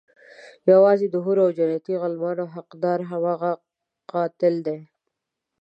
يوازې د حورو او جنتي غلمانو حقدار هماغه قاتل دی.